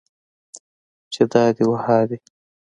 چې دا دي و ها دي.